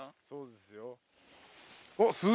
そうですよ。